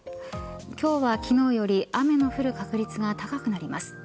今日は昨日より雨の降る確率が高くなります。